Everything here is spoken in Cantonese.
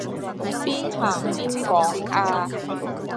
邊行邊講吖